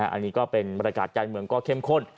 อันนี้ก็เป็นบรรยากาศการเมืองก็เข้มข้น